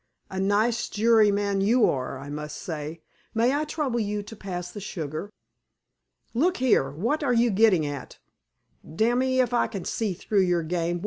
"A nice juryman you are, I must say! May I trouble you to pass the sugar?" "Look here! What are you gettin' at? Damme if I can see through your game.